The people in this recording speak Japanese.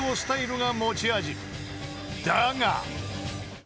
［だが］